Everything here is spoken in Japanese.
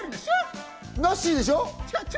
なっしー！でしょ？